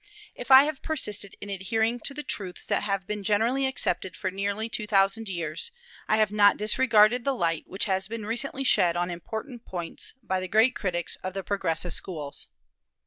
If I have persisted in adhering to the truths that have been generally accepted for nearly two thousand years, I have not disregarded the light which has been recently shed on important points by the great critics of the progressive schools.